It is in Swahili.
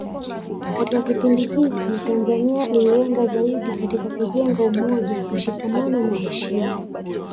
Katika kipindi hiki Tanzania ililenga zaidi katika kujenga umoja mshikamano na heshima